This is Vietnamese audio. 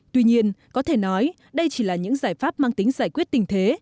tuy nhiên có thể nói đây chỉ là những giải pháp mang tính giải quyết tình thế